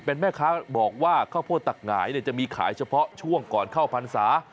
เป็นแม่ค้าบอกว่าข้าวโพดตักหงายจะมีขายเฉพาะช่วงก่อนเข้าพรรษา